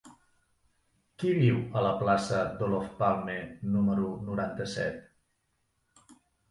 Qui viu a la plaça d'Olof Palme número noranta-set?